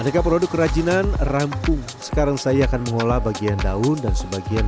aneka produk kerajinan rampung sekarang saya akan mengolah bagian daun dan sebagian